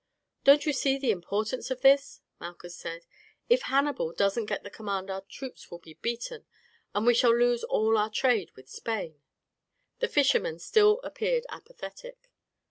"Don't you see the importance of this?" Malchus said. "If Hannibal doesn't get the command our troops will be beaten, and we shall lose all our trade with Spain." The fisherman still appeared apathetic.